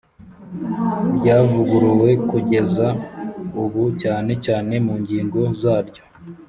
ryavuguruwe kugeza ubu cyane cyane mu ngingo zaryo